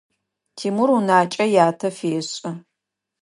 Тимур унакӏэ ятэ фешӏы.